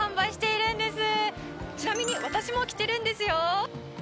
ちなみに私も着てるんですよ。